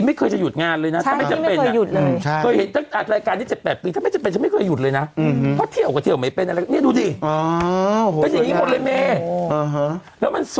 ไม่เคยจะหยุดงานเลยนะใช่ไม่เคยหยุดเลยถ้าไม่จำเป็นใช่